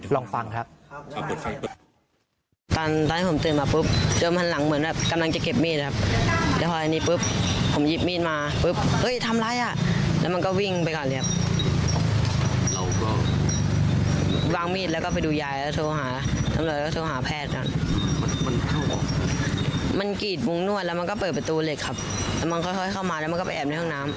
ลองฟังครับ